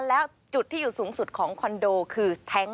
แล้วจุดที่อยู่สูงสุดของคอนโดคือแท็งค์